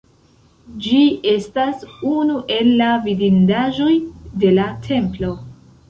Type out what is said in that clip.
Ĝi estas unu el la vidindaĵoj de la templo.